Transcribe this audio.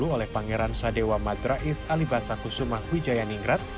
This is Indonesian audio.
oleh pangeran sadewa madrais alibasaku sumah wijayaningrat